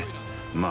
まあ